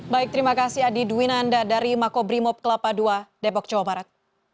baik terima kasih adi dwinanda dari makobrimob kelapa ii depok jawa barat